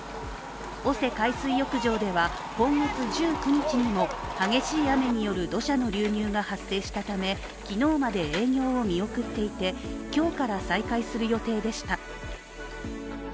大瀬海水浴場では今月１９日にも激しい雨による土砂の流入が発生したため昨日まで営業を見送っていて今日から再開する予定でした。